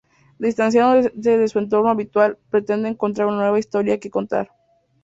Distanciándose de su entorno habitual pretende encontrar una nueva historia que contar.